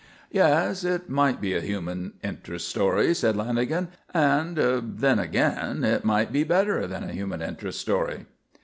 "Yes, it might be a human interest story," said Lanagan, "and then again it might be better than a human interest story."